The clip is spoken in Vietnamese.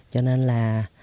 cho nên là